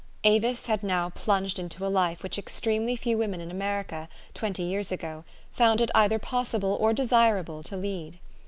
Avis had now plunged into a life which extremely few women in America, twenty years ago, found it 64 THE STOKY OF AVIS. either possible or desirable to lead.